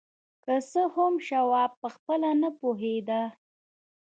که څه هم شواب پخپله نه پوهېده